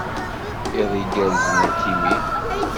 Iḍ igerrzen a Timmy.